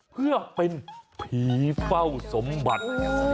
เพื่อเป็นผีเฝ้าสมบัติ